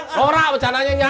ngorak pacananya nyorak